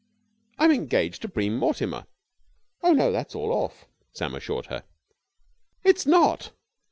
"I'm engaged to Bream Mortimer." "Oh no, that's all off," Sam assured her. "It's not!"